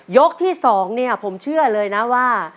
ยกที่๒เนี่ยผมเชื่อเลยนะว่า